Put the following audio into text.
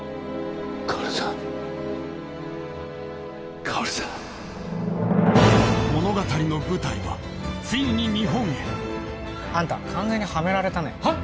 薫さん薫さん物語の舞台はついに日本へあんた完全にハメられたねはあ？